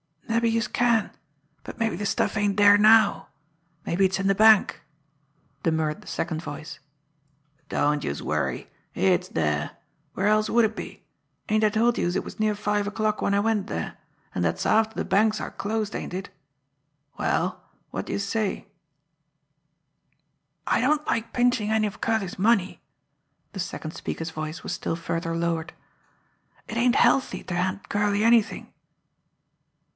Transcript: "Mabbe youse can, but mabbe de stuff ain't dere now mabbe it's in de bank," demurred the second voice. "Don't youse worry! It's dere! Where else would it be! Ain't I told youse it was near five o'clock when I went dere an' dat's after de banks are closed, ain't it? Well, wot d'youse say?" "I don't like pinchin' any of Curley's money." The second speaker's voice was still further lowered. "It ain't healthy ter hand Curley anything."